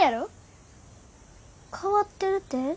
・変わってるて？